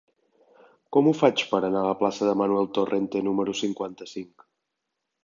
Com ho faig per anar a la plaça de Manuel Torrente número cinquanta-cinc?